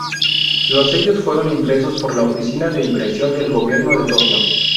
Los sellos fueron impresos por la Oficina de Impresión del Gobierno de Tokio.